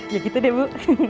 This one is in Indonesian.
ya gitu deh bu